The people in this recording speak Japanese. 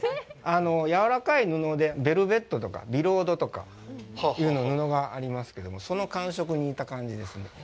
やわらかい布でベルベットとかビロードとかという布がありますけど、その感触に似た感じですね。